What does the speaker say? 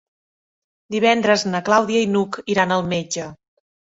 Divendres na Clàudia i n'Hug iran al metge.